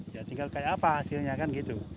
ya tinggal kayak apa hasilnya kan gitu